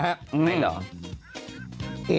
ไม่เหรอ